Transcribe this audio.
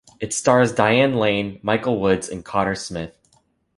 It stars Diane Lane, Michael Woods, and Cotter Smith.